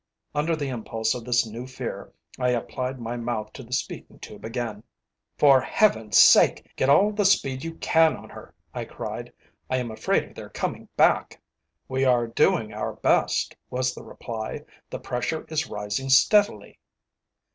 Under the impulse of this new fear I applied my mouth to the speaking tube again. "For Heaven's sake, get all the speed you can on her," I cried. "I am afraid of their coming back." "We are doing our best," was the reply. "The pressure is rising steadily."